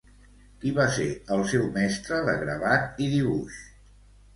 Qui va ser el seu mestre de gravat i dibuix?